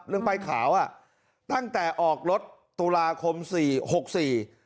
ป้ายขาวอ่ะตั้งแต่ออกรถตุลาคมสี่หกสี่